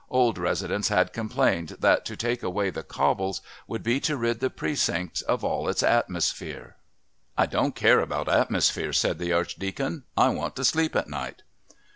Old residents had complained that to take away the cobbles would be to rid the Precincts of all its atmosphere. "I don't care about atmosphere," said the Archdeacon, "I want to sleep at night."